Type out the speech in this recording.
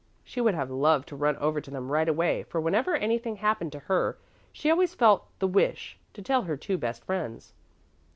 She would have loved to run over to them right away, for whenever anything happened to her she always felt the wish to tell her two best friends.